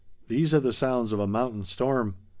These are the sounds of a mountain storm.